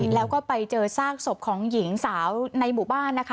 แล้วก็ไปเจอซากศพของหญิงสาวในหมู่บ้านนะคะ